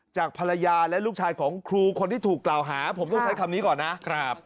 จากภรรยาและลูกชายของครูคนที่ถูกกล่าวหาผมต้องใช้คำนี้ก่อนนะครับ